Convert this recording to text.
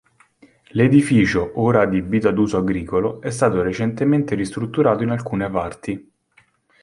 L'edificio, ora adibito ad uso agricolo, è stato recentemente ristrutturato in alcune parti.